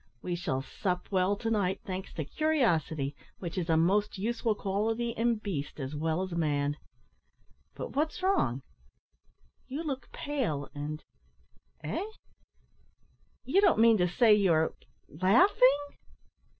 We shall sup well to night, thanks to curiosity, which is a most useful quality in beast as well as man. But what's wrong; you look pale, and, eh? you don't mean to say you're laughing?"